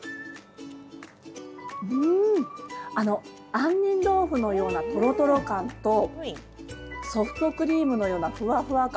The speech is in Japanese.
あんにん豆腐のようなとろとろ感とソフトクリームのようなふわふわ感